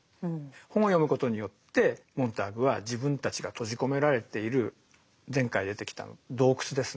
本を読むことによってモンターグは自分たちが閉じ込められている前回出てきた「洞窟」ですね。